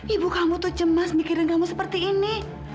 ibu kamu tuh cemas mikirin kamu seperti ini